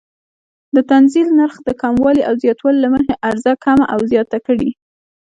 د تنزیل نرخ د کموالي او زیاتوالي له مخې عرضه کمه او زیاته کړي.